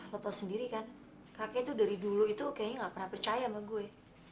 foto sendiri kan kakek itu dari dulu itu kayaknya gak pernah percaya sama gue